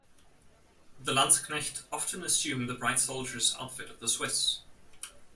The Landsknecht often assumed the bright soldier's outfits of the Swiss.